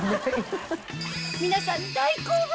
皆さん大興奮！